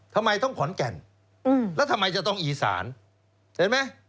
ทำไมต้องขอนแก่นแล้วทำไมจะต้องอีสานเห็นไหม